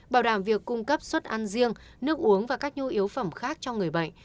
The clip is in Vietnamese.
bảo đảm việc cung cấp suất ăn riêng nước uống và các nhu yếu phẩm khác cho người bệnh